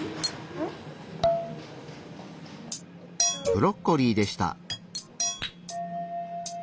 ブロッコリーでした。